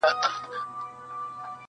دغه جلال او دا جمال د زلفو مه راوله.